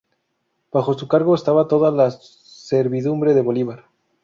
Bajo su cargo estaba toda la servidumbre de Bolívar.